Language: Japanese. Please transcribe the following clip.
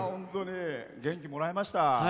元気もらえました。